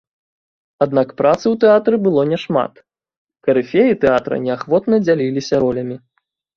Аднак працы ў тэатры было няшмат, карыфеі тэатра неахвотна дзяліліся ролямі.